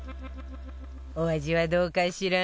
お味はどうかしら？